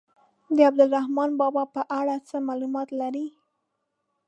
د عبدالرحمان بابا په اړه څه معلومات لرئ.